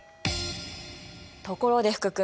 ところで福君。